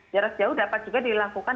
jarak jauh dapat juga dilakukan